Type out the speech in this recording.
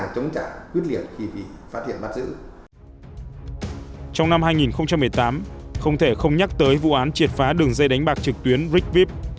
trong năm hai nghìn một mươi tám không thể không nhắc tới vụ án triệt phá đường dây đánh bạc trực tuyến rigvip